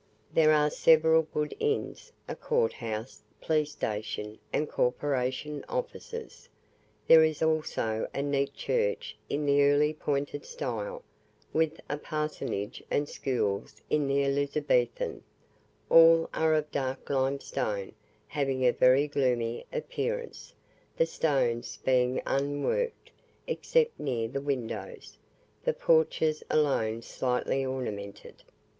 There are several good inns, a court house, police station, and corporation offices. There is also a neat church in the early pointed style, with a parsonage and schools in the Elizabethan; all are of dark lime stone, having a very gloomy appearance, the stones being unworked, except near the windows; the porches alone slightly ornamented.